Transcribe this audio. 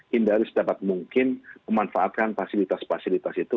hindari sedapat mungkin memanfaatkan fasilitas fasilitas itu